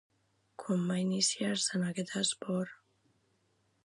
Quan va iniciar-se en aquest esport?